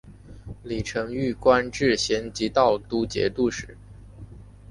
李澄玉官至咸吉道都节制使。